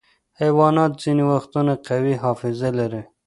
حیوانات ځینې وختونه قوي حافظه لري.